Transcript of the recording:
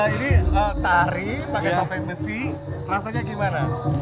ini tari pakai topeng besi rasanya gimana